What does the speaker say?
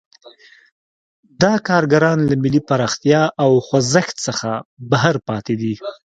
دا کارګران له ملي پراختیا او خوځښت څخه بهر پاتې دي.